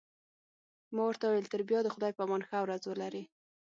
ما ورته وویل: تر بیا د خدای په امان، ښه ورځ ولرئ.